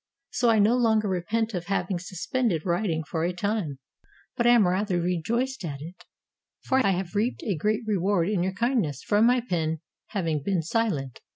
So I no longer repent of having suspended writing for a time, but am rather rejoiced at it; for I have reaped a great reward in your kindness from my pen having been silent.